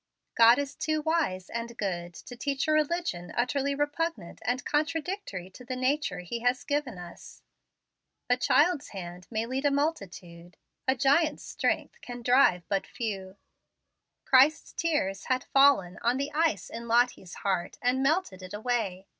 God is too wise and good to teach a religion utterly repugnant and contradictory to the nature He has given us. A child's hand may lead a multitude; a giant's strength can drive but few. Christ's tears had fallen on the ice in Lottie's heart, and melted it away.